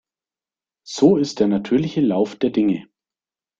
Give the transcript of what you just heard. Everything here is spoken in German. So ist der natürliche Lauf der Dinge.